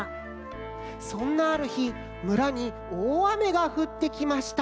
そんなあるひむらにおおあめがふってきました。